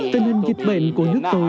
tình hình dịch bệnh của nước tôi